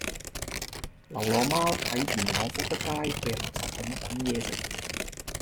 流浪貓喺元朗福德街嘅垃圾桶搵野食